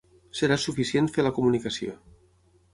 Serà suficient fer la comunicació.